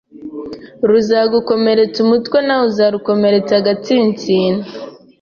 Ruzagukomeretsa umutwe, nawe uzarukomeretsa agatsinsino.